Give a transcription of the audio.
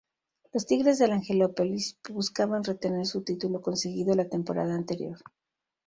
Los Tigres de la Angelópolis buscaban retener su título conseguido la temporada anterior.